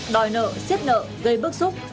đòi nợ xếp nợ gây bức xúc